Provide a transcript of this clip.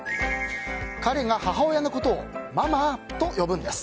彼が母親のことをママと呼ぶんです。